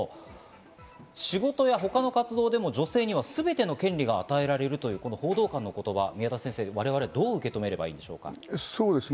仕事や他の活動でも、女性にはすべての権利が与えられるという報道官の言葉、我々はどう受け止めたらいいですか？